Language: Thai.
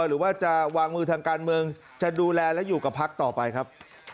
หรือว่าจะวางมือทางการเมืองจะดูแลและอยู่กับพักต่อไปครับ